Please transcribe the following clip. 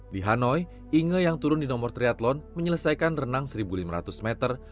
di hanoi inge yang turun di nomor triathlon menyelesaikan renang satu lima ratus meter